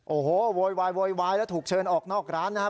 โอ้โฮโวยแล้วถูกเชิญออกนอกร้านนะครับ